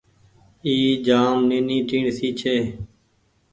اي جآم نيني ٽيڻسي ڇي۔